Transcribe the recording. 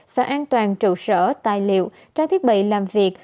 và an toàn trụ sở tài liệu trang thiết bị làm việc